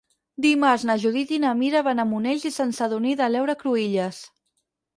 Dimarts na Judit i na Mira van a Monells i Sant Sadurní de l'Heura Cruïlles.